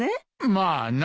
まあな。